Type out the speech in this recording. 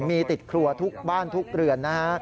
มีติดครัวทุกบ้านทุกเรือนนะฮะ